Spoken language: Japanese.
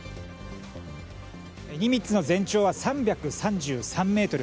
「ニミッツ」の全長は３３３ｍ。